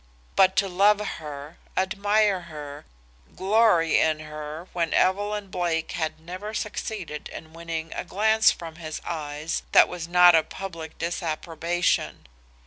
But to love her, admire her, glory in her when Evelyn Blake had never succeeded in winning a glance from his eyes that was not a public disapprobation!